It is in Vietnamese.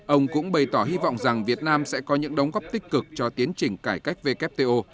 ông cũng bày tỏ hy vọng rằng việt nam sẽ có những đóng góp tích cực cho tiến trình cải cách wto